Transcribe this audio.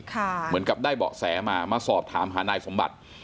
เหมือนกับได้เบาะแสมามาสอบถามหานายสมบัติ